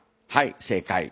はい正解。